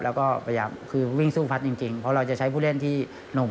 แล้วก็พยายามคือวิ่งสู้พัดจริงเพราะเราจะใช้ผู้เล่นที่หนุ่ม